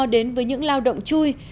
đến với những lao động chui